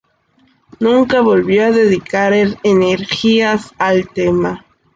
Nunca volvió a dedicar energías al tema.